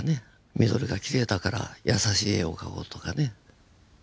緑がきれいだから優しい絵を描こうとかね。